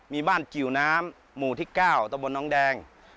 มีบ้านกิวน้ำหมู่ที่๙ตะบนน้องแดง